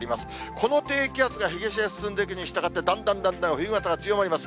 この低気圧が東へ進んでいくにしたがって、だんだんだんだん冬型が強まります。